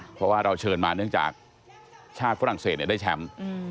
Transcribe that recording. เพราะว่าเราเชิญมาเนื่องจากชาติฝรั่งเศสได้แชมป์